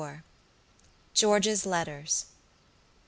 GEORGE'S LETTERS.